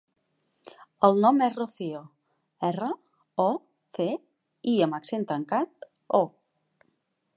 El nom és Rocío: erra, o, ce, i amb accent tancat, o.